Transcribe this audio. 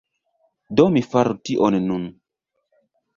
Do mi faru tion nun.